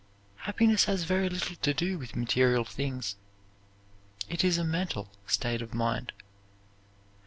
Happiness has very little to do with material things. It is a mental state of mind.